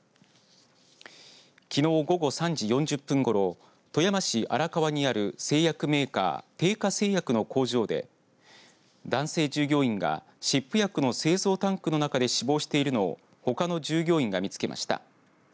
きのう午後３時４０分ごろ富山市荒川にある製薬メーカーテイカ製薬の工場で男性従業員が湿布薬の製造タンクの中で死亡しているのをほかの従業員が見つけました。